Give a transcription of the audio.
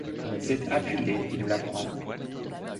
C'est Apulée qui nous l'apprend.